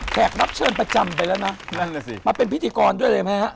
แขกรับเชิญประจำไปแล้วนะมาเป็นพิธีกรด้วยเลยมั้ยฮะ